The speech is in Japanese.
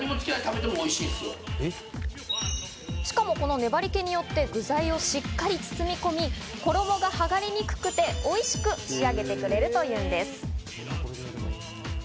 しかもこの粘り気によって具材をしっかり包み込み、衣がはがれにくくて、おいしく仕上げてくれるというんです。